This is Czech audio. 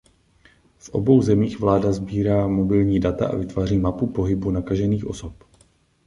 V obou zemích vláda sbírá mobilní data a vytváří mapu pohybu nakažených osob.